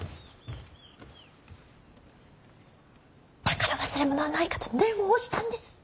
だから忘れ物はないかと念を押したんです！